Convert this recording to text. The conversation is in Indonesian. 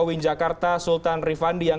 win jakarta sultan rifandi yang